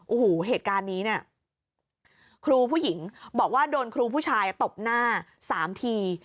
โอ้โหเหตุการณ์นี้เนี่ยครูผู้หญิงบอกว่าโดนครูผู้ชายตบหน้า๓ที